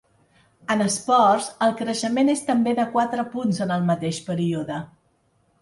En esports, el creixement és també de quatre punts en el mateix període.